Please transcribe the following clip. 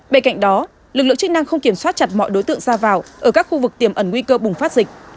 bên cạnh đó lực lượng chức năng không kiểm soát chặt mọi đối tượng ra vào ở các khu vực tiềm ẩn nguy cơ bùng phát dịch